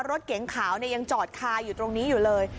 รถเก๋งขาวยังจอดคาอยู่ตรงนี้อยู่เลย